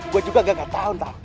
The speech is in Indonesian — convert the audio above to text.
gua juga gak tau tau